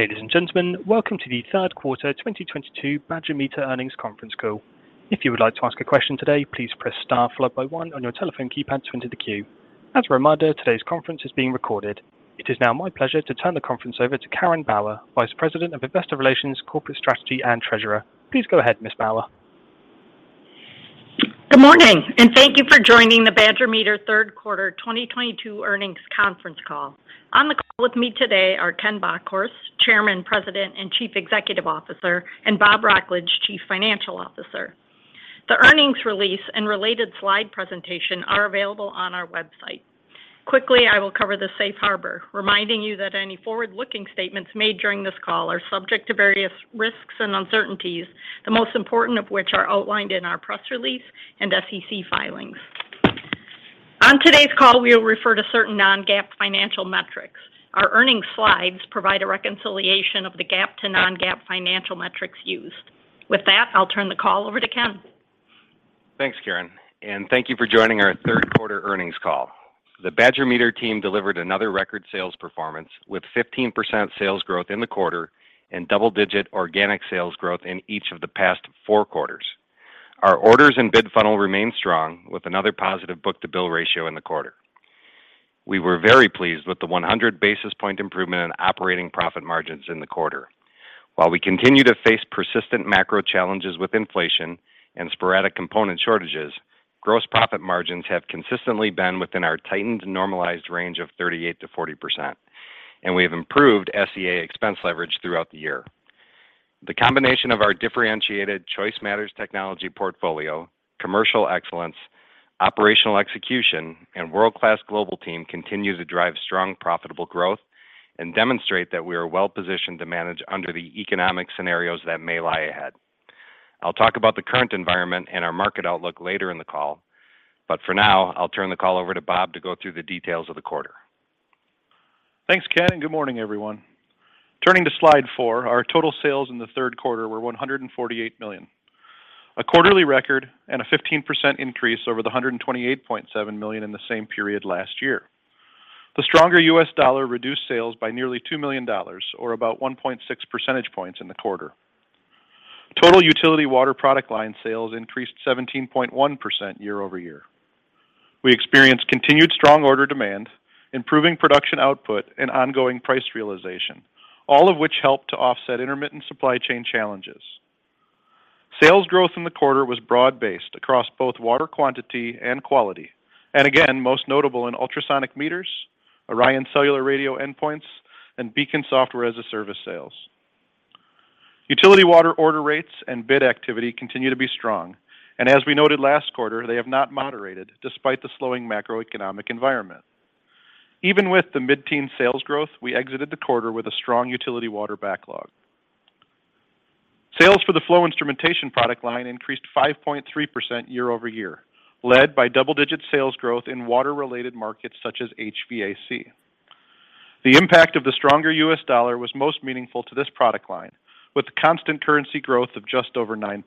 Ladies and gentlemen, welcome to the Third Quarter 2022 Badger Meter Earnings Conference Call. If you would like to ask a question today, please press star followed by one on your telephone keypad to enter the queue. As a reminder, today's conference is being recorded. It is now my pleasure to turn the conference over to Karen Bauer, Vice President of Investor Relations, Corporate Strategy, and Treasurer. Please go ahead, Ms. Bauer. Good morning, and thank you for joining the Badger Meter third quarter 2022 earnings conference call. On the call with me today are Ken Bockhorst, Chairman, President, and Chief Executive Officer, and Robert Wrocklage, Chief Financial Officer. The earnings release and related slide presentation are available on our website. Quickly, I will cover the safe harbor, reminding you that any forward-looking statements made during this call are subject to various risks and uncertainties, the most important of which are outlined in our press release and SEC filings. On today's call, we will refer to certain non-GAAP financial metrics. Our earnings slides provide a reconciliation of the GAAP to non-GAAP financial metrics used. With that, I'll turn the call over to Ken. Thanks, Karen, and thank you for joining our third quarter earnings call. The Badger Meter team delivered another record sales performance with 15% sales growth in the quarter and double-digit organic sales growth in each of the past four quarters. Our orders and bid funnel remain strong with another positive book-to-bill ratio in the quarter. We were very pleased with the 100 basis points improvement in operating profit margins in the quarter. While we continue to face persistent macro challenges with inflation and sporadic component shortages, gross profit margins have consistently been within our tightened normalized range of 38%-40%, and we have improved SEA expense leverage throughout the year. The combination of our differentiated Choice Matters technology portfolio, commercial excellence, operational execution, and world-class global team continue to drive strong, profitable growth and demonstrate that we are well-positioned to manage under the economic scenarios that may lie ahead. I'll talk about the current environment and our market outlook later in the call, but for now, I'll turn the call over to Bob to go through the details of the quarter. Thanks, Ken, and good morning, everyone. Turning to slide four, our total sales in the third quarter were $148 million. A quarterly record and a 15% increase over the $128.7 million in the same period last year. The stronger U.S. dollar reduced sales by nearly $2 million or about 1.6 percentage points in the quarter. Total utility water product line sales increased 17.1% year-over-year. We experienced continued strong order demand, improving production output and ongoing price realization, all of which helped to offset intermittent supply chain challenges. Sales growth in the quarter was broad-based across both water quantity and quality, and again, most notable in ultrasonic meters, ORION Cellular radio endpoints, and BEACON software as a service sales. Utility water order rates and bid activity continue to be strong, and as we noted last quarter, they have not moderated despite the slowing macroeconomic environment. Even with the mid-teen sales growth, we exited the quarter with a strong utility water backlog. Sales for the flow instrumentation product line increased 5.3% year-over-year, led by double-digit sales growth in water-related markets such as HVAC. The impact of the stronger U.S. dollar was most meaningful to this product line, with constant currency growth of just over 9%.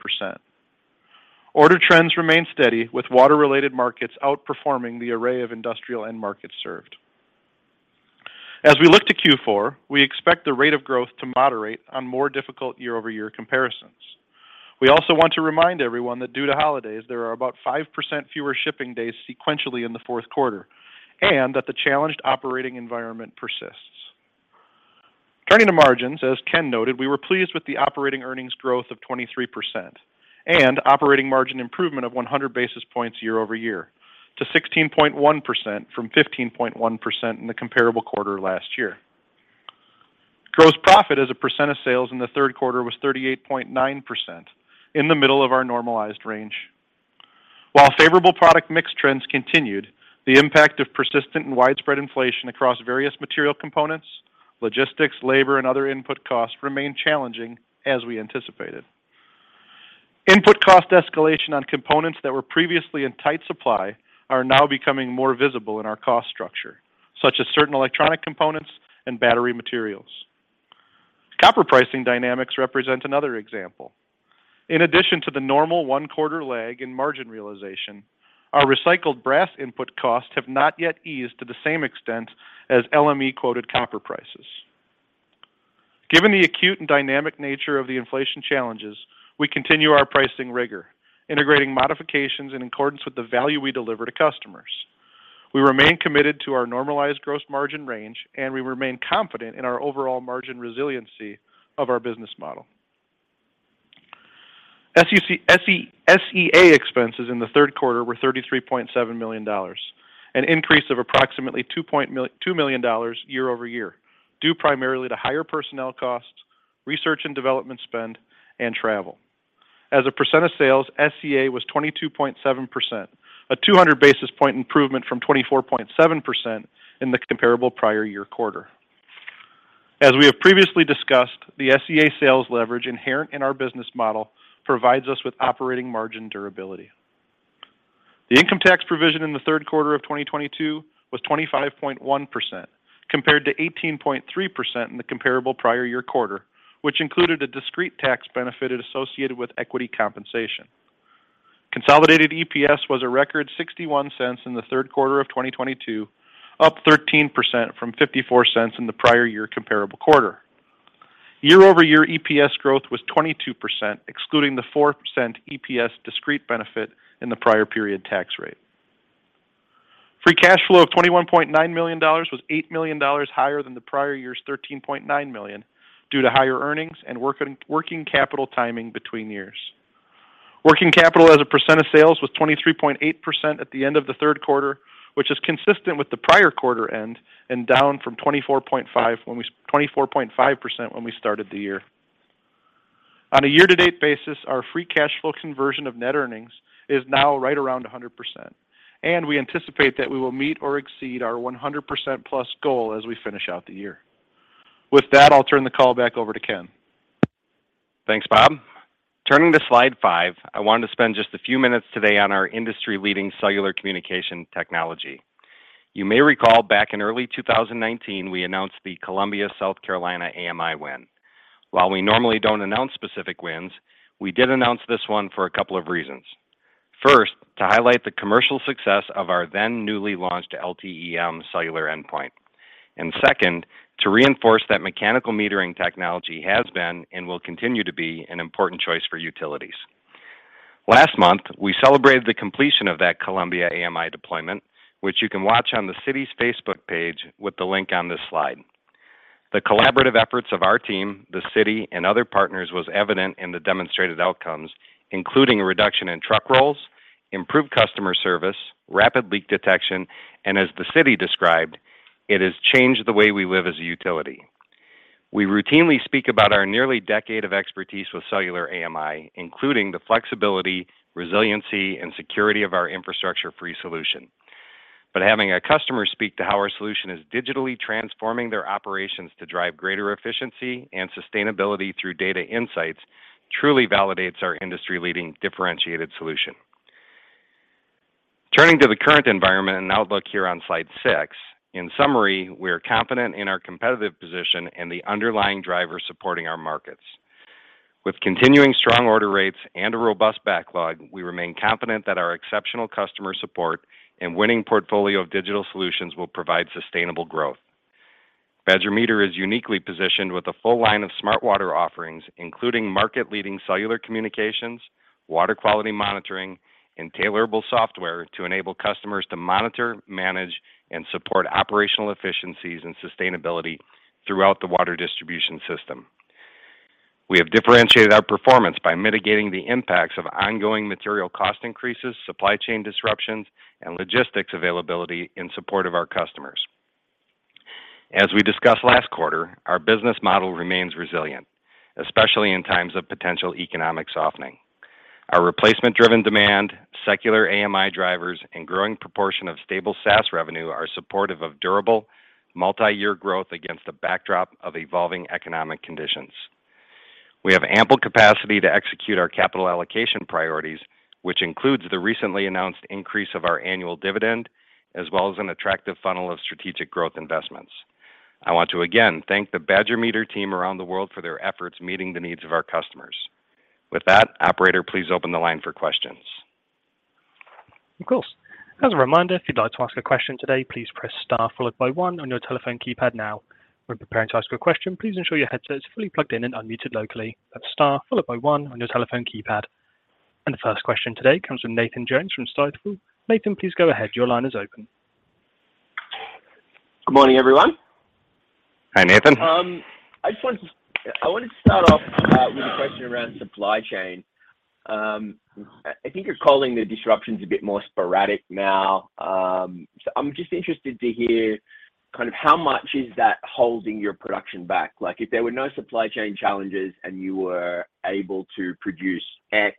Order trends remain steady, with water-related markets outperforming the array of industrial end markets served. As we look to Q4, we expect the rate of growth to moderate on more difficult year-over-year comparisons. We also want to remind everyone that due to holidays, there are about 5% fewer shipping days sequentially in the fourth quarter, and that the challenged operating environment persists. Turning to margins, as Ken noted, we were pleased with the operating earnings growth of 23% and operating margin improvement of 100 basis points year-over-year to 16.1% from 15.1% in the comparable quarter last year. Gross profit as a percent of sales in the third quarter was 38.9% in the middle of our normalized range. While favorable product mix trends continued, the impact of persistent and widespread inflation across various material components, logistics, labor, and other input costs remain challenging as we anticipated. Input cost escalation on components that were previously in tight supply are now becoming more visible in our cost structure, such as certain electronic components and battery materials. Copper pricing dynamics represent another example. In addition to the normal one-quarter lag in margin realization, our recycled brass input costs have not yet eased to the same extent as LME-quoted copper prices. Given the acute and dynamic nature of the inflation challenges, we continue our pricing rigor, integrating modifications in accordance with the value we deliver to customers. We remain committed to our normalized gross margin range, and we remain confident in our overall margin resiliency of our business model. SEA expenses in the third quarter were $33.7 million, an increase of approximately $2 million year-over-year, due primarily to higher personnel costs, research and development spend, and travel. As a percent of sales, SEA was 22.7%, a 200 basis point improvement from 24.7% in the comparable prior year quarter. As we have previously discussed, the SEA sales leverage inherent in our business model provides us with operating margin durability. The income tax provision in the third quarter of 2022 was 25.1%, compared to 18.3% in the comparable prior year quarter, which included a discrete tax benefit associated with equity compensation. Consolidated EPS was a record $0.61 in the third quarter of 2022, up 13% from $0.54 in the prior year comparable quarter. Year-over-year EPS growth was 22%, excluding the 4% EPS discrete benefit in the prior period tax rate. Free cash flow of $21.9 million was $8 million higher than the prior year's $13.9 million due to higher earnings and working capital timing between years. Working capital as a percent of sales was 23.8% at the end of the third quarter, which is consistent with the prior quarter end and down from 24.5% when we started the year. On a year-to-date basis, our free cash flow conversion of net earnings is now right around 100%, and we anticipate that we will meet or exceed our 100%+ goal as we finish out the year. With that, I'll turn the call back over to Ken. Thanks, Bob. Turning to slide five, I wanted to spend just a few minutes today on our industry-leading cellular communication technology..You may recall back in early 2019, we announced the Columbia, South Carolina AMI win. While we normally don't announce specific wins, we did announce this one for a couple of reasons. First, to highlight the commercial success of our then newly launched LTE-M cellular endpoint, and second, to reinforce that mechanical metering technology has been and will continue to be an important choice for utilities. Last month, we celebrated the completion of that Columbia AMI deployment, which you can watch on the city's Facebook page with the link on this slide. The collaborative efforts of our team, the city, and other partners was evident in the demonstrated outcomes, including a reduction in truck rolls, improved customer service, rapid leak detection, and as the city described, it has changed the way we live as a utility. We routinely speak about our nearly decade of expertise with cellular AMI, including the flexibility, resiliency, and security of our infrastructure-free solution. Having a customer speak to how our solution is digitally transforming their operations to drive greater efficiency and sustainability through data insights truly validates our industry-leading differentiated solution. Turning to the current environment and outlook here on slide six, in summary, we are confident in our competitive position and the underlying drivers supporting our markets. With continuing strong order rates and a robust backlog, we remain confident that our exceptional customer support and winning portfolio of digital solutions will provide sustainable growth. Badger Meter is uniquely positioned with a full line of smart water offerings, including market-leading cellular communications, water quality monitoring, and tailorable software to enable customers to monitor, manage, and support operational efficiencies and sustainability throughout the water distribution system. We have differentiated our performance by mitigating the impacts of ongoing material cost increases, supply chain disruptions, and logistics availability in support of our customers. As we discussed last quarter, our business model remains resilient, especially in times of potential economic softening. Our replacement-driven demand, secular AMI drivers, and growing proportion of stable SaaS revenue are supportive of durable, multi-year growth against a backdrop of evolving economic conditions. We have ample capacity to execute our capital allocation priorities, which includes the recently announced increase of our annual dividend, as well as an attractive funnel of strategic growth investments. I want to again thank the Badger Meter team around the world for their efforts meeting the needs of our customers. With that, operator, please open the line for questions. Of course. As a reminder, if you'd like to ask a question today, please press star followed by one on your telephone keypad now. When preparing to ask your question, please ensure your headset is fully plugged in and unmuted locally. That's star followed by one on your telephone keypad. The first question today comes from Nathan Jones from Stifel. Nathan, please go ahead. Your line is open. Good morning, everyone. Hi, Nathan. I wanted to start off with a question around supply chain. I think you're calling the disruptions a bit more sporadic now. I'm just interested to hear kind of how much is that holding your production back? Like, if there were no supply chain challenges and you were able to produce X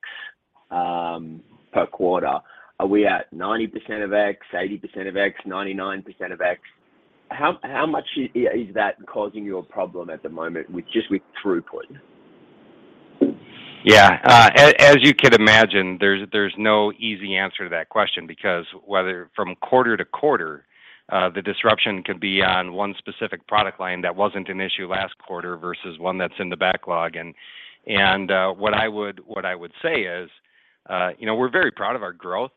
per quarter, are we at 90% of X, 80% of X, 99% of X? How much is that causing you a problem at the moment with just throughput? Yeah. As you can imagine, there's no easy answer to that question because whether from quarter to quarter, the disruption could be on one specific product line that wasn't an issue last quarter versus one that's in the backlog. What I would say is, you know, we're very proud of our growth.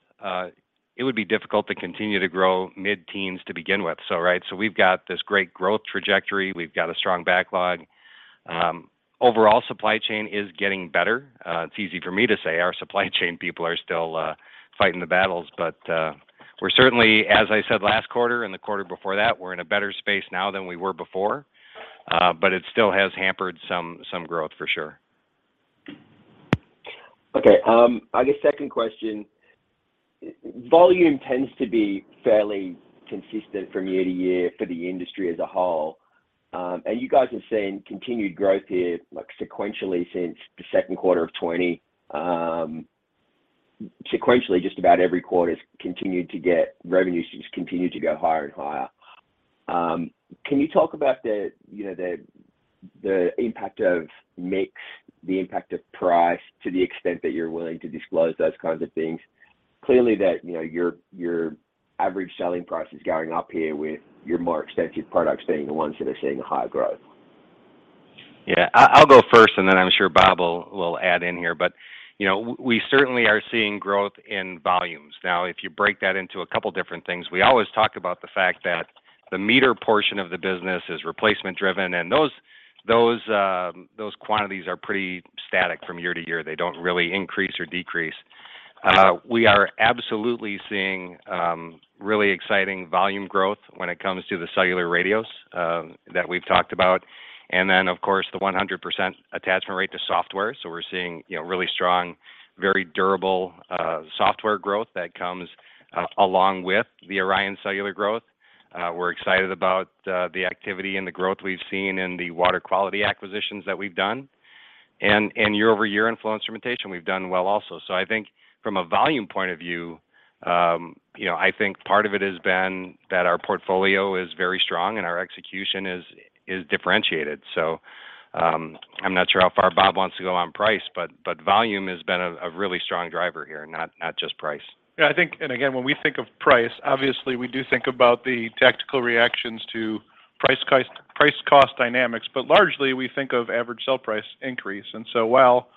It would be difficult to continue to grow mid-teens to begin with. Right? We've got this great growth trajectory. We've got a strong backlog. Overall supply chain is getting better. It's easy for me to say. Our supply chain people are still fighting the battles. We're certainly, as I said last quarter and the quarter before that, we're in a better space now than we were before. It still has hampered some growth for sure. Okay. I guess second question. Volume tends to be fairly consistent from year to year for the industry as a whole. You guys have seen continued growth here, like sequentially since the second quarter of 2020. Sequentially just about every quarter's revenues just continue to go higher and higher. Can you talk about the, you know, the impact of mix, the impact of price to the extent that you're willing to disclose those kinds of things? Clearly that, you know, your average selling price is going up here with your more extensive products being the ones that are seeing higher growth. Yeah, I'll go first, and then I'm sure Bob will add in here. You know, we certainly are seeing growth in volumes. Now, if you break that into a couple different things, we always talk about the fact that the meter portion of the business is replacement driven, and those quantities are pretty static from year to year. They don't really increase or decrease. We are absolutely seeing really exciting volume growth when it comes to the cellular radios that we've talked about. Then, of course, the 100% attachment rate to software. We're seeing, you know, really strong, very durable software growth that comes along with the Orion cellular growth. We're excited about the activity and the growth we've seen in the water quality acquisitions that we've done. Year-over-year in flow instrumentation, we've done well also. I think from a volume point of view, you know, I think part of it has been that our portfolio is very strong and our execution is differentiated. I'm not sure how far Bob wants to go on price, but volume has been a really strong driver here, not just price. Yeah, I think, and again, when we think of price, obviously we do think about the tactical reactions to price cost, price cost dynamics, but largely we think of average sale price increase. While,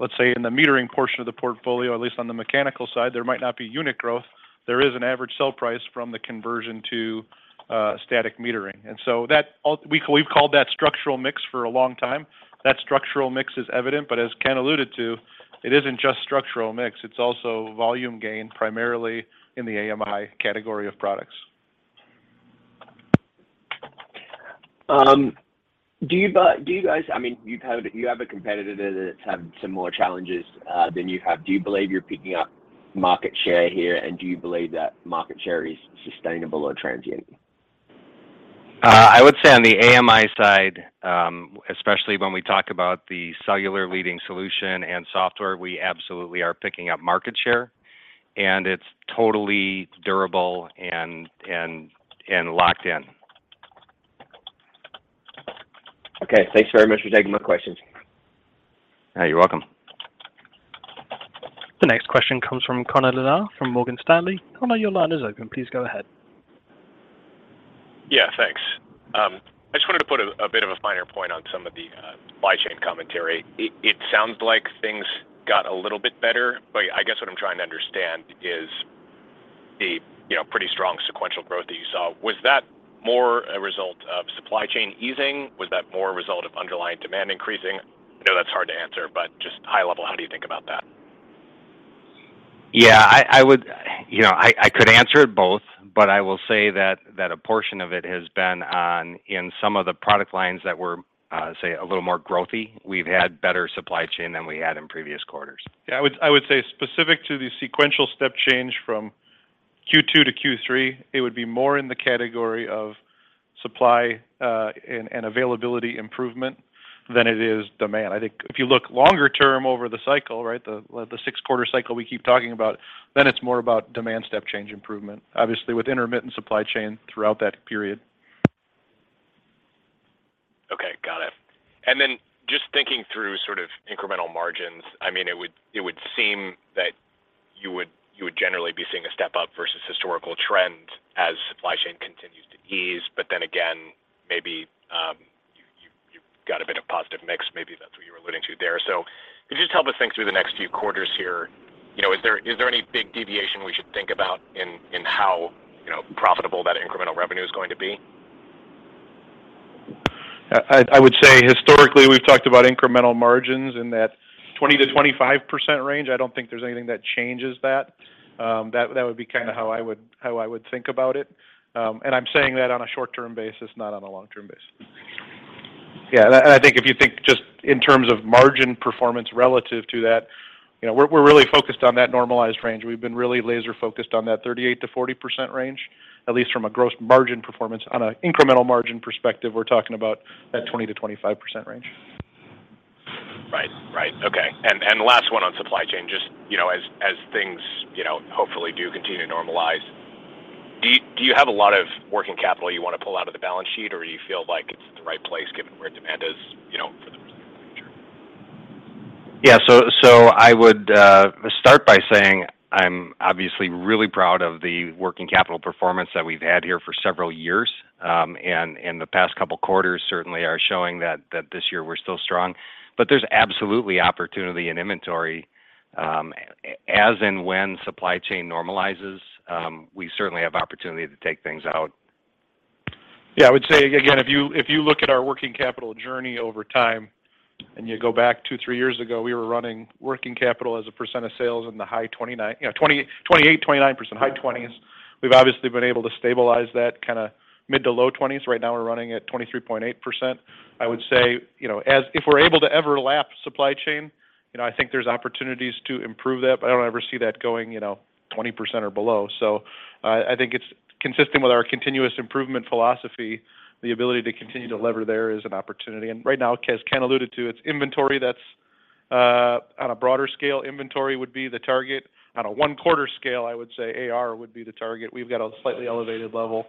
let's say, in the metering portion of the portfolio, at least on the mechanical side, there might not be unit growth, there is an average sale price from the conversion to static metering. That we've called that structural mix for a long time. That structural mix is evident, but as Ken alluded to, it isn't just structural mix, it's also volume gain, primarily in the AMI category of products. Do you guys, I mean, you have a competitor that's having some more challenges than you have. Do you believe you're picking up market share here? Do you believe that market share is sustainable or transient? I would say on the AMI side, especially when we talk about the cellular leading solution and software, we absolutely are picking up market share, and it's totally durable and locked in. Okay. Thanks very much for taking my questions. Yeah, you're welcome. The next question comes from Connor Lynagh from Morgan Stanley. Connor, your line is open. Please go ahead. Yeah, thanks. I just wanted to put a bit of a finer point on some of the supply chain commentary. It sounds like things got a little bit better, but I guess what I'm trying to understand is the you know, pretty strong sequential growth that you saw. Was that more a result of supply chain easing? Was that more a result of underlying demand increasing? I know that's hard to answer, but just high level, how do you think about that? Yeah. I would. You know, I could answer it both, but I will say that a portion of it has been in some of the product lines that were, say, a little more growthy. We've had better supply chain than we had in previous quarters. Yeah. I would say specific to the sequential step change from Q2 to Q3, it would be more in the category of supply and availability improvement than it is demand. I think if you look longer term over the cycle, right, the six-quarter cycle we keep talking about, then it's more about demand step change improvement, obviously, with intermittent supply chain throughout that period. Okay. Got it. Then just thinking through sort of incremental margins, I mean, it would seem that you would generally be seeing a step up versus historical trend as supply chain continues to ease. But then again, maybe you've got a bit of positive mix. Maybe that's what you're alluding to there. Could you just help us think through the next few quarters here? You know, is there any big deviation we should think about in how, you know, profitable that incremental revenue is going to be? I would say historically, we've talked about incremental margins in that 20%-25% range. I don't think there's anything that changes that. That would be kind of how I would think about it. I'm saying that on a short-term basis, not on a long-term basis. Yeah. I think if you think just in terms of margin performance relative to that, you know, we're really focused on that normalized range. We've been really laser focused on that 38%-40% range, at least from a gross margin performance. On an incremental margin perspective, we're talking about that 20%-25% range. Right. Okay. Last one on supply chain. Just, you know, as things, you know, hopefully do continue to normalize, do you have a lot of working capital you want to pull out of the balance sheet, or you feel like it's at the right place given where demand is, you know, for the foreseeable future? I would start by saying I'm obviously really proud of the working capital performance that we've had here for several years. The past couple quarters certainly are showing that this year we're still strong. There's absolutely opportunity in inventory as and when supply chain normalizes. We certainly have opportunity to take things out. Yeah. I would say again, if you look at our working capital journey over time and you go back two, three years ago, we were running working capital as a percent of sales in the high 20s, you know, 28-29%, high 20s. We've obviously been able to stabilize that kind of mid- to low 20s. Right now we're running at 23.8%. I would say, you know, as if we're able to ever lap supply chain, you know, I think there's opportunities to improve that, but I don't ever see that going, you know, 20% or below. I think it's consistent with our continuous improvement philosophy, the ability to continue to lever there is an opportunity. Right now, as Ken alluded to, it's inventory that's on a broader scale, inventory would be the target. On a one-quarter scale, I would say AR would be the target. We've got a slightly elevated level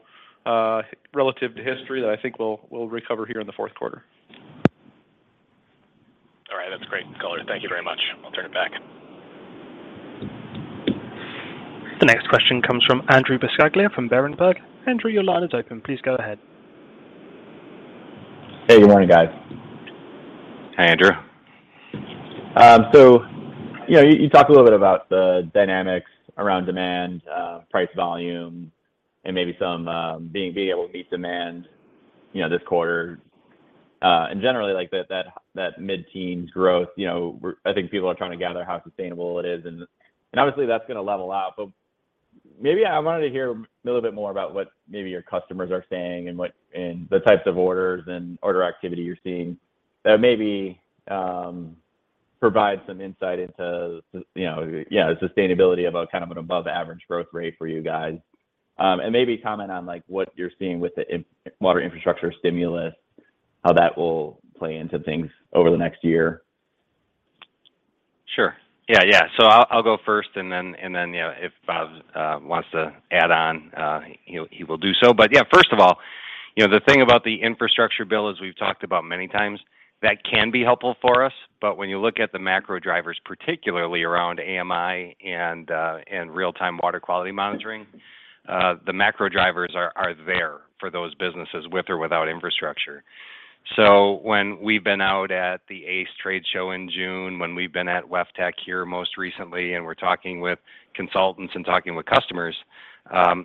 relative to history that I think we'll recover here in the fourth quarter. All right. That's great, scholars. Thank you very much. I'll turn it back. The next question comes from Andrew Buscaglia from Berenberg. Andrew, your line is open. Please go ahead. Hey, good morning, guys. Hi, Andrew. You know, you talked a little bit about the dynamics around demand, price volume, and maybe some being able to meet demand, you know, this quarter. Generally like that mid-teen growth, you know, I think people are trying to gather how sustainable it is and obviously that's gonna level out. Maybe I wanted to hear a little bit more about what maybe your customers are saying and what and the types of orders and order activity you're seeing that maybe provide some insight into, you know, yeah, sustainability about kind of an above average growth rate for you guys. Maybe comment on, like, what you're seeing with the water infrastructure stimulus, how that will play into things over the next year. Sure. Yeah, yeah. I'll go first and then, you know, if Bob wants to add on, he will do so. Yeah, first of all, you know, the thing about the infrastructure bill, as we've talked about many times, that can be helpful for us. When you look at the macro drivers, particularly around AMI and real-time water quality monitoring, the macro drivers are there for those businesses with or without infrastructure. When we've been out at the ACE trade show in June, when we've been at WEFTEC here most recently, and we're talking with consultants and talking with customers,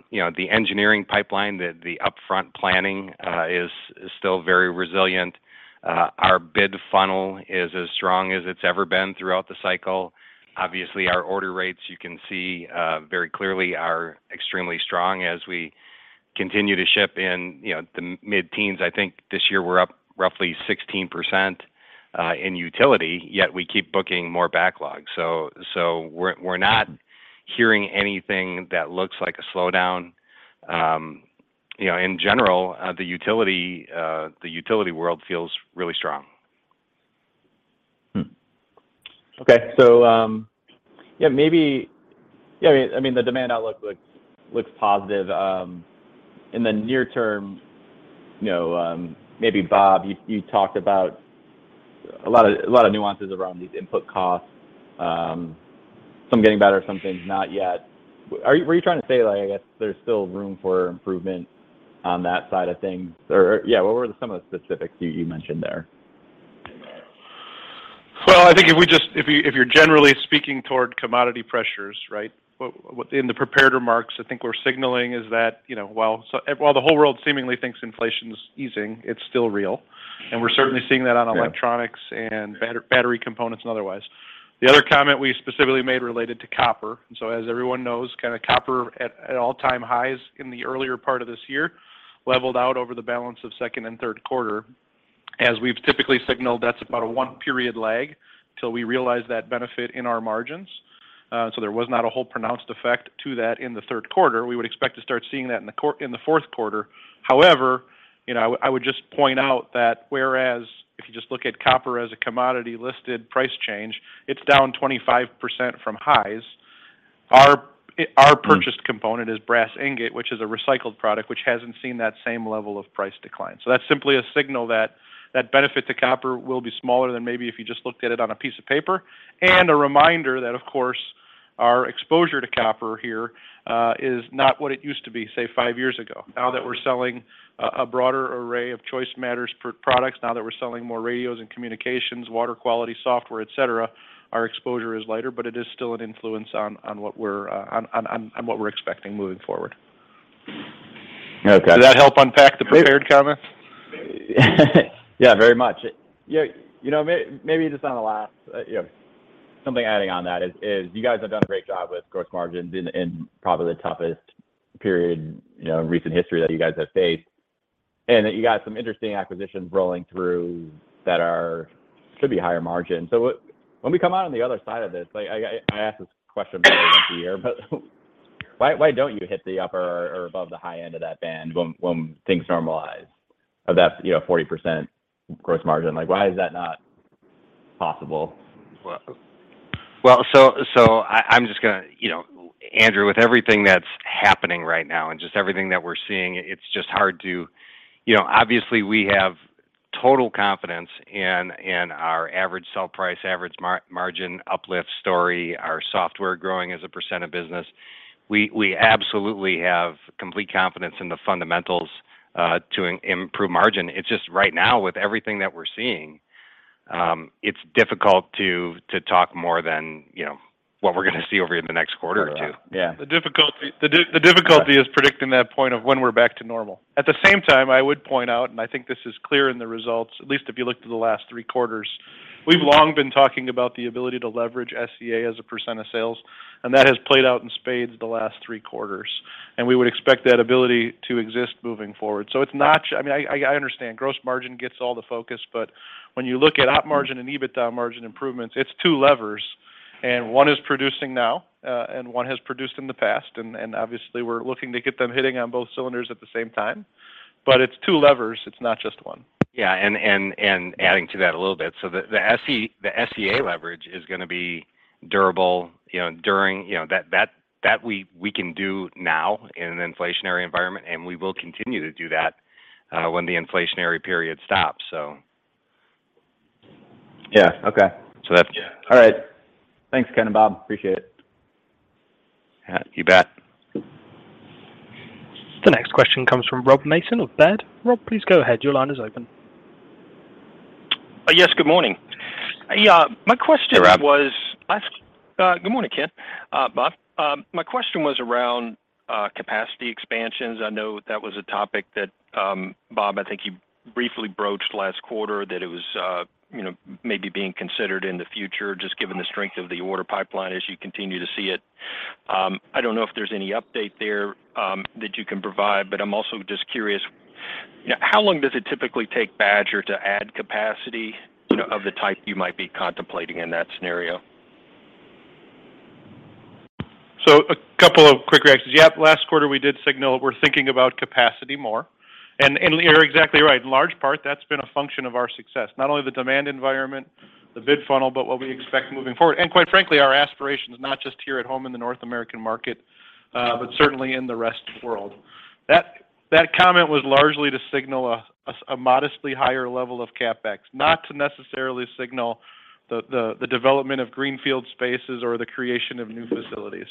you know, the engineering pipeline, the upfront planning is still very resilient. Our bid funnel is as strong as it's ever been throughout the cycle. Obviously, our order rates, you can see, very clearly are extremely strong as we continue to ship in, you know, the mid-teens. I think this year we're up roughly 16% in utility, yet we keep booking more backlog. We're not hearing anything that looks like a slowdown. You know, in general, the utility world feels really strong. Okay. Yeah, I mean, the demand outlook looks positive. In the near term, you know, maybe Bob, you talked about a lot of nuances around these input costs, some getting better, some things not yet. Were you trying to say, like, I guess there's still room for improvement on that side of things? Or yeah, what were some of the specifics you mentioned there? Well, I think if you're generally speaking toward commodity pressures, right? What in the prepared remarks I think we're signaling is that, you know, while the whole world seemingly thinks inflation's easing, it's still real, and we're certainly seeing that on electronics and battery components and otherwise. The other comment we specifically made related to copper. As everyone knows, kind of copper at all-time highs in the earlier part of this year leveled out over the balance of second and third quarter. As we've typically signaled, that's about a one-period lag till we realize that benefit in our margins. There was not a whole pronounced effect to that in the third quarter. We would expect to start seeing that in the fourth quarter. However, you know, I would just point out that whereas if you just look at copper as a commodity-listed price change, it's down 25% from highs. Our purchased component is brass ingot, which is a recycled product, which hasn't seen that same level of price decline. So that's simply a signal that that benefit to copper will be smaller than maybe if you just looked at it on a piece of paper. A reminder that, of course, our exposure to copper here is not what it used to be, say, five years ago. Now that we're selling a broader array of Choice Matters products, now that we're selling more radios and communications, water quality software, et cetera, our exposure is lighter, but it is still an influence on what we're expecting moving forward. Okay. Does that help unpack the prepared comments? Yeah, very much. Yeah, you know, maybe just on the last, you know, something adding on that is you guys have done a great job with gross margins in probably the toughest period, you know, in recent history that you guys have faced, and that you got some interesting acquisitions rolling through that could be higher margin. When we come out on the other side of this, like I ask this question probably once a year, but why don't you hit the upper or above the high end of that band when things normalize of that, you know, 40% gross margin? Like, why is that not possible? You know, Andrew, with everything that's happening right now and just everything that we're seeing, it's just hard to, you know, obviously we have total confidence in our average sell price, average margin uplift story, our software growing as a percent of business. We absolutely have complete confidence in the fundamentals to improve margin. It's just right now with everything that we're seeing, it's difficult to talk more than, you know, what we're gonna see over in the next quarter or two. Yeah. The difficulty is predicting that point of when we're back to normal. At the same time, I would point out, and I think this is clear in the results, at least if you look to the last three quarters, we've long been talking about the ability to leverage SG&A as a percent of sales, and that has played out in spades the last three quarters. We would expect that ability to exist moving forward. It's not, I mean, I understand gross margin gets all the focus, but when you look at op margin and EBITDA margin improvements, it's two levers and one is producing now, and one has produced in the past and obviously we're looking to get them hitting on both cylinders at the same time. It's two levers, it's not just one. Yeah, adding to that a little bit. The SEA leverage is gonna be durable, you know, during that we can do now in an inflationary environment and we will continue to do that when the inflationary period stops, so. Yeah. Okay. So that's- All right. Thanks, Ken and Bob. Appreciate it. Yeah, you bet. The next question comes from Rob Mason of Baird. Rob, please go ahead. Your line is open. Yes, good morning. Yeah, my question. Hey, Rob. Good morning, Ken, Bob. My question was around capacity expansions. I know that was a topic that Bob, I think you briefly broached last quarter, that it was, you know, maybe being considered in the future, just given the strength of the order pipeline as you continue to see it. I don't know if there's any update there that you can provide, but I'm also just curious, how long does it typically take Badger to add capacity, you know, of the type you might be contemplating in that scenario? A couple of quick reactions. Yeah, last quarter, we did signal we're thinking about capacity more. You're exactly right. In large part, that's been a function of our success. Not only the demand environment, the bid funnel, but what we expect moving forward. Quite frankly, our aspirations, not just here at home in the North American market, but certainly in the rest of the world. That comment was largely to signal a modestly higher level of CapEx, not to necessarily signal the development of greenfield spaces or the creation of new facilities.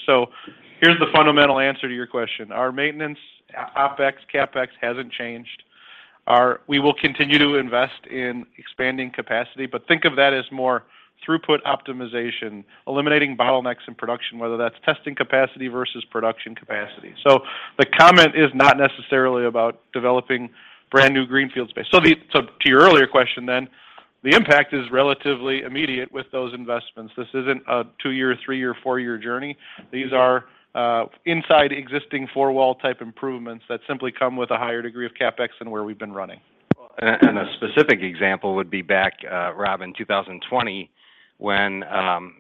Here's the fundamental answer to your question. Our maintenance, OpEx, CapEx hasn't changed. We will continue to invest in expanding capacity, but think of that as more throughput optimization, eliminating bottlenecks in production, whether that's testing capacity versus production capacity. The comment is not necessarily about developing brand new greenfield space. To your earlier question then, the impact is relatively immediate with those investments. This isn't a two-year, three-year, four-year journey. These are inside existing four wall type improvements that simply come with a higher degree of CapEx than where we've been running. A specific example would be back, Rob, in 2020 when,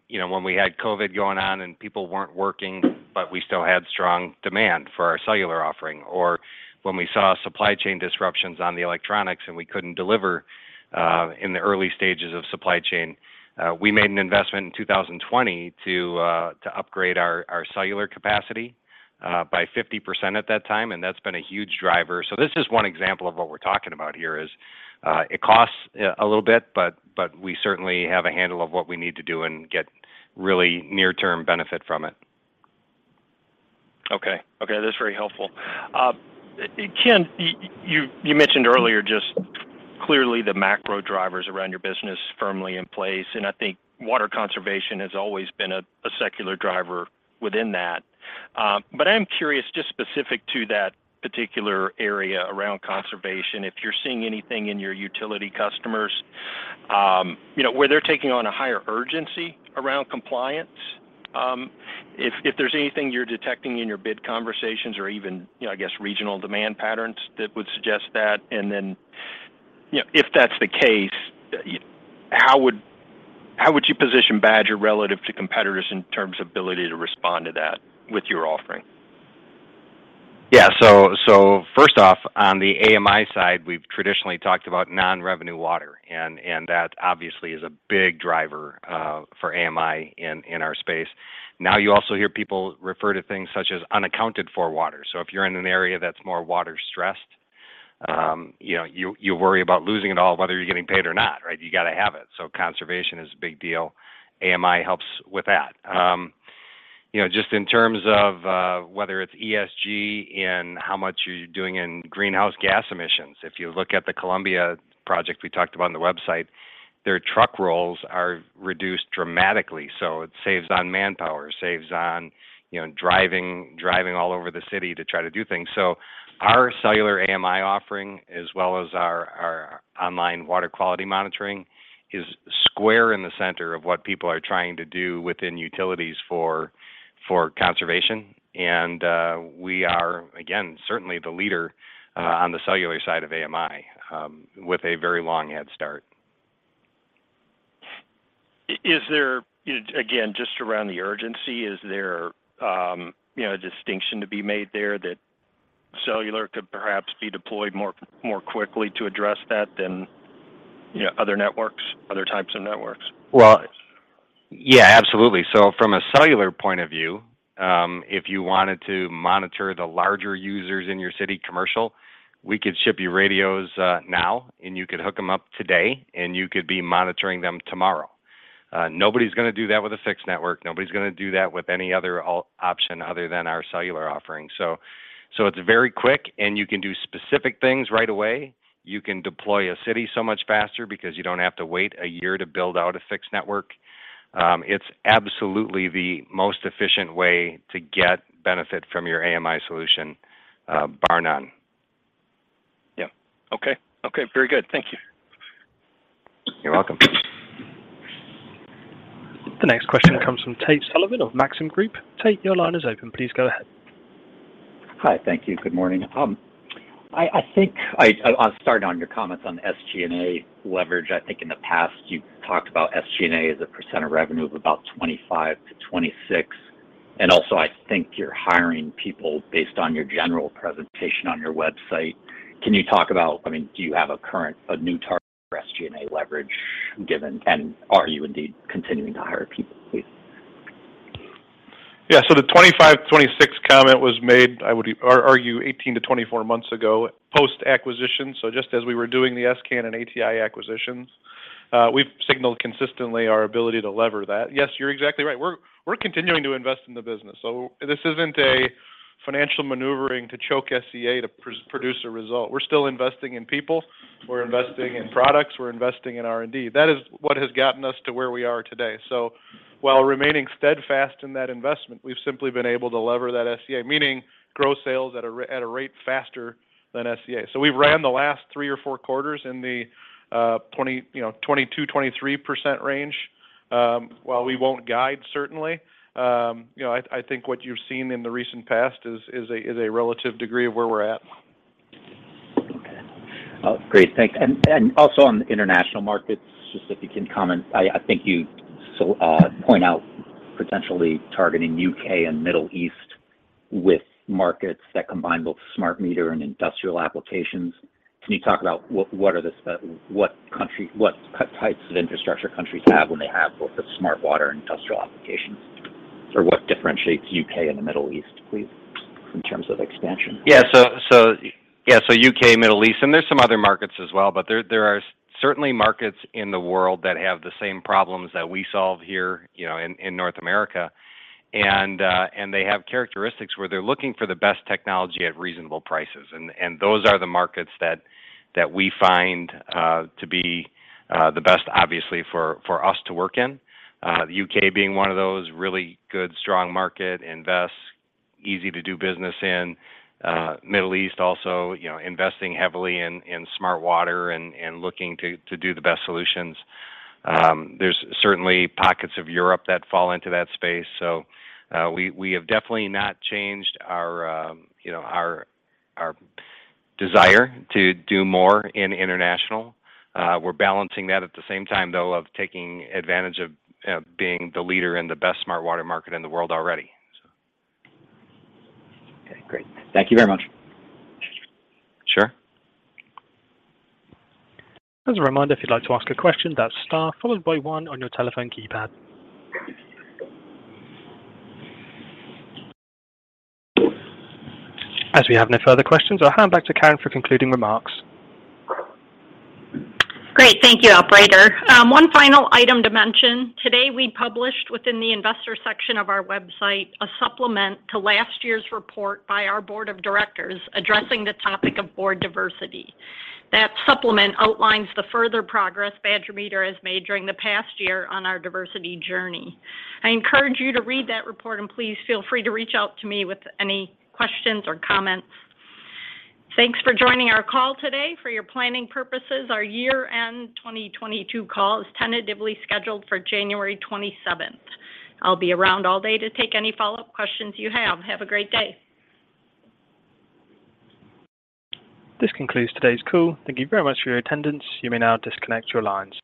you know, when we had COVID going on and people weren't working, but we still had strong demand for our cellular offering, or when we saw supply chain disruptions on the electronics and we couldn't deliver, in the early stages of supply chain. We made an investment in 2020 to upgrade our cellular capacity by 50% at that time, and that's been a huge driver. This is one example of what we're talking about here is, it costs a little bit, but we certainly have a handle of what we need to do and get really near-term benefit from it. Okay. Okay, that's very helpful. Ken, you mentioned earlier just clearly the macro drivers around your business firmly in place, and I think water conservation has always been a secular driver within that. I'm curious, just specific to that particular area around conservation, if you're seeing anything in your utility customers, you know, where they're taking on a higher urgency around compliance, if there's anything you're detecting in your bid conversations or even, you know, I guess regional demand patterns that would suggest that. You know, if that's the case, how would you position Badger relative to competitors in terms of ability to respond to that with your offering? Yeah. First off, on the AMI side, we've traditionally talked about non-revenue water, and that obviously is a big driver for AMI in our space. Now, you also hear people refer to things such as unaccounted for water. If you're in an area that's more water stressed, you know, you worry about losing it all, whether you're getting paid or not, right? You got to have it. Conservation is a big deal. AMI helps with that. You know, just in terms of whether it's ESG and how much you're doing in greenhouse gas emissions. If you look at the Columbia project we talked about on the website, their truck rolls are reduced dramatically. It saves on manpower. It saves on, you know, driving all over the city to try to do things. Our cellular AMI offering, as well as our online water quality monitoring, is square in the center of what people are trying to do within utilities for conservation. We are, again, certainly the leader on the cellular side of AMI with a very long head start. Again, just around the urgency, is there, you know, a distinction to be made there that cellular could perhaps be deployed more quickly to address that than, you know, other networks, other types of networks? Well, yeah, absolutely. From a cellular point of view, if you wanted to monitor the larger users in your city commercial, we could ship you radios, now, and you could hook them up today, and you could be monitoring them tomorrow. Nobody's gonna do that with a fixed network. Nobody's gonna do that with any other option other than our cellular offering. It's very quick, and you can do specific things right away. You can deploy a city so much faster because you don't have to wait a year to build out a fixed network. It's absolutely the most efficient way to get benefit from your AMI solution, bar none. Yeah. Okay. Okay, very good. Thank you. You're welcome. The next question comes from Tate Sullivan of Maxim Group. Tate, your line is open. Please go ahead. Hi. Thank you. Good morning. I think I'll start on your comments on SG&A leverage. I think in the past, you talked about SG&A as a percent of revenue of about 25%-26%. Also, I think you're hiring people based on your general presentation on your website. Can you talk about, I mean, do you have a current, a new target for SG&A leverage given, and are you indeed continuing to hire people, please? Yeah. The 25-26 comment was made, I would argue 18-24 months ago, post-acquisition. Just as we were doing the s::can and ATi acquisitions, we've signaled consistently our ability to lever that. Yes, you're exactly right. We're continuing to invest in the business, so this isn't a financial maneuvering to choke SEA to produce a result. We're still investing in people, we're investing in products, we're investing in R&D. That is what has gotten us to where we are today. While remaining steadfast in that investment, we've simply been able to lever that SEA, meaning grow sales at a rate faster than SEA. We've ran the last three or four quarters in the 22%-23% range. While we won't guide certainly, you know, I think what you've seen in the recent past is a relative degree of where we're at. Okay. Great. Thanks. Also on the international markets, just if you can comment, I think you sort of point out potentially targeting UK and Middle East with markets that combine both smart meter and industrial applications. Can you talk about what countries have what types of infrastructure when they have both the smart water and industrial applications, or what differentiates UK and the Middle East, please, in terms of expansion? Yeah. UK, Middle East, and there are some other markets as well, but there are certainly markets in the world that have the same problems that we solve here, you know, in North America. They have characteristics where they're looking for the best technology at reasonable prices. Those are the markets that we find to be the best, obviously, for us to work in. The U.K. being one of those really good, strong market, invests, easy to do business in. Middle East also, you know, investing heavily in smart water and looking to do the best solutions. There are certainly pockets of Europe that fall into that space. We have definitely not changed our, you know, our desire to do more in international. We're balancing that at the same time, though, of taking advantage of being the leader in the best smart water market in the world already, so. Okay. Great. Thank you very much. Sure. As a reminder, if you'd like to ask a question, that's star followed by one on your telephone keypad. As we have no further questions, I'll hand back to Karen for concluding remarks. Great. Thank you, operator. One final item to mention. Today, we published within the investor section of our website a supplement to last year's report by our board of directors addressing the topic of board diversity. That supplement outlines the further progress Badger Meter has made during the past year on our diversity journey. I encourage you to read that report, and please feel free to reach out to me with any questions or comments. Thanks for joining our call today. For your planning purposes, our year-end 2022 call is tentatively scheduled for January twenty-seventh. I'll be around all day to take any follow-up questions you have. Have a great day. This concludes today's call. Thank you very much for your attendance. You may now disconnect your lines.